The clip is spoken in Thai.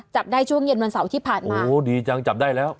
จับได้ช่วงเย็นวันเสาร์ที่ผ่านมาโอ้โหดีจังจับได้แล้ว